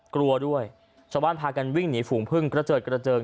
กลัวด้วยชาวบ้านพากันวิ่งหนีฝูงพึ่งกระเจิดกระเจิง